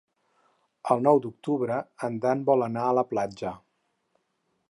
El nou d'octubre en Dan vol anar a la platja.